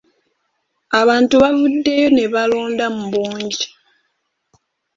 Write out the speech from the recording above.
Abantu baavuddeyo ne balonda mu bungi.